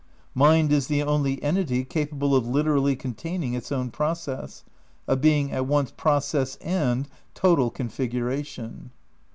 Mind is the only entity capable of literally con taining its own process ; of being at once process and total configuration.